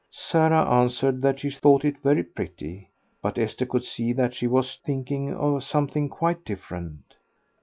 Sarah answered that she thought it very pretty. But Esther could see that she was thinking of something quite different.